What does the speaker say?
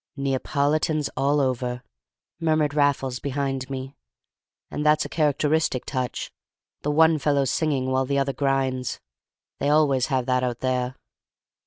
"Neapolitans all over," murmured Raffles behind me; "and that's a characteristic touch, the one fellow singing while the other grinds; they always have that out there."